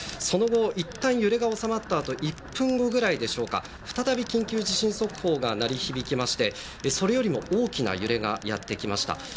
その後、いったん揺れが収まった後、１分後ぐらいに再び緊急地震速報が鳴り響いてそれよりも大きな揺れがやってきました。